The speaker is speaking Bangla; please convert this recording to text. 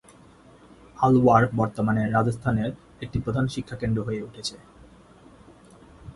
আলওয়ার বর্তমানে রাজস্থানের একটি প্রধান শিক্ষা কেন্দ্র হয়ে উঠেছে।